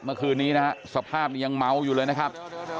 เมื่อคืนนี้นะฮะสภาพนี้ยังเมาอยู่เลยนะครับ